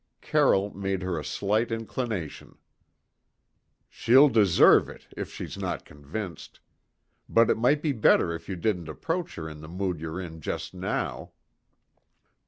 Carroll made her a slight inclination. "She'll deserve it, if she's not convinced. But it might be better if you didn't approach her in the mood you're in just now."